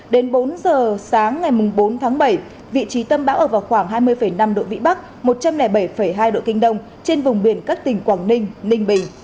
đến bốn giờ sáng ngày bốn tháng bảy vị trí tâm bão ở vào khoảng hai mươi năm độ vĩ bắc một trăm linh bảy hai độ kinh đông trên vùng biển các tỉnh quảng ninh ninh bình